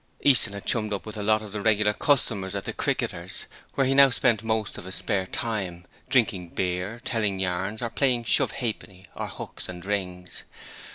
Easton had chummed up with a lot of the regular customers at the 'Cricketers', where he now spent most of his spare time, drinking beer, telling yarns or playing shove ha'penny or hooks and rings.